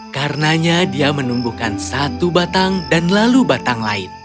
karenanya dia menumbuhkan satu batang dan lalu batang lain